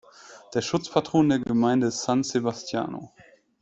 Der Schutzpatron der Gemeinde ist San Sebastiano.